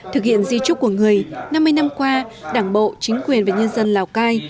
thực hiện di trúc của người năm mươi năm qua đảng bộ chính quyền và nhân dân lào cai